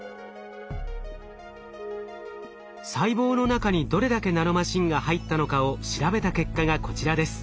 細胞の中にどれだけナノマシンが入ったのかを調べた結果がこちらです。